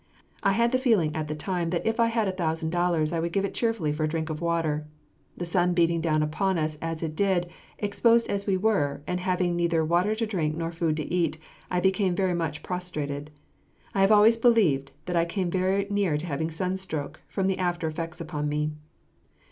I had the feeling at the time that if I had a thousand dollars I would give it cheerfully for a drink of water. The sun beating down upon us as it did, exposed as we were, and having neither water to drink nor food to eat, I became very much prostrated. I have always believed that I came very near having sunstroke, from the after effects upon me.